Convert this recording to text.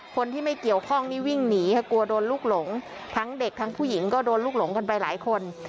คนที่ไม่เกี่ยวข้องนี่วิ่งหนีค่ะกลัวโดนลูกหลงทั้งเด็กทั้งผู้หญิงก็โดนลูกหลงกันไปหลายคน